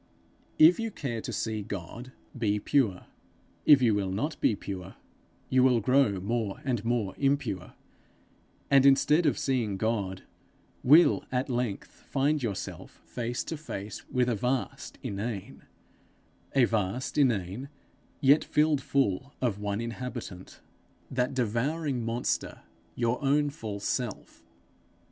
If you care to see God, be pure. If you will not be pure, you will grow more and more impure; and instead of seeing God, will at length find yourself face to face with a vast inane a vast inane, yet filled full of one inhabitant, that devouring monster, your own false self.